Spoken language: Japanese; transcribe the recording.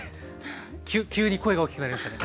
急に声が大きくなりましたね。